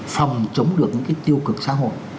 phòng chống được những cái tiêu cực xã hội